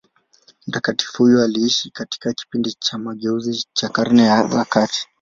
Mtakatifu huyo aliishi katika kipindi cha mageuzi cha Karne za kati.